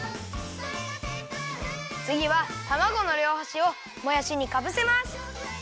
つぎはたまごのりょうはしをもやしにかぶせます。